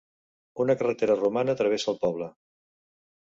Una carretera romana travessa el poble.